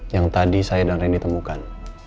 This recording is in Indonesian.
yang tadi saya dan reni temukan